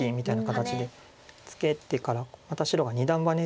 ツケてからまた白が二段バネ。